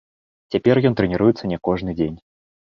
Цяпер ён трэніруецца не кожны дзень.